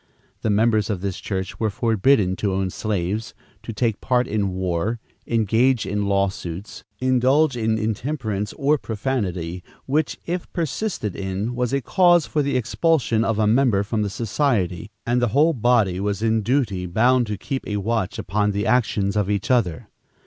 The members of this church were forbidden to own slaves, to take part in war, engage in lawsuits, indulge in intemperance or profanity, which, if persisted in, was a cause for the expulsion of a member from the society, and the whole body was in duty bound to keep a watch upon the actions of each other.